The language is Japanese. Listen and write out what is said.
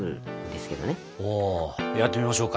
やってみましょうか。